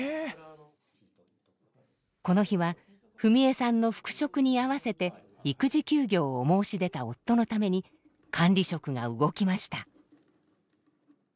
この日は史衣さんの復職に合わせて育児休業を申し出た夫のために管理職が動きました。